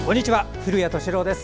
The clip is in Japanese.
古谷敏郎です。